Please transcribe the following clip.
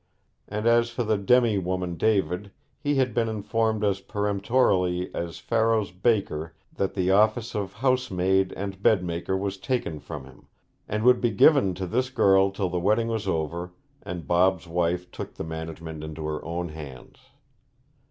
And as for the demi woman David, he had been informed as peremptorily as Pharaoh's baker that the office of housemaid and bedmaker was taken from him, and would be given to this girl till the wedding was over, and Bob's wife took the management into her own hands.